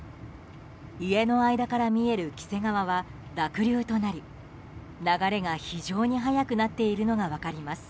家の間から見える黄瀬川は濁流となり流れが非常に速くなっているのが分かります。